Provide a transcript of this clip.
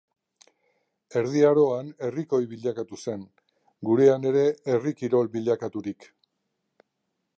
Erdi Aroan herrikoi bilakatu zen, gurean ere herri kirol bilakaturik.